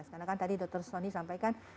karena kan tadi dr sonny sampaikan